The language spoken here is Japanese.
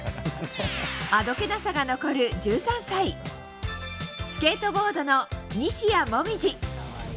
あどけなさが残る１３歳スケートボードの西矢椛。